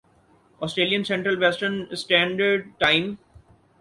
Australian central western standard time